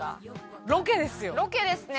ロケですね。